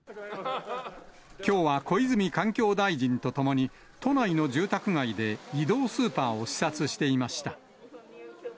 きょうは、小泉環境大臣と共に、都内の住宅街で移動スーパーを視察していました。